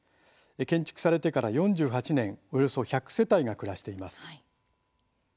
建築されてから４８年およそ１００世帯が暮らしています。